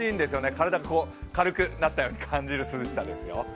体が軽くなったように感じる涼しさですよ。